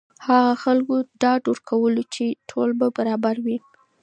هغه خلکو ته ډاډ ورکولو چې ټول به برابر وي.